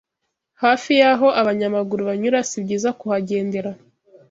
hafi y’aho abanyamaguru banyura sibyiza kuhagendera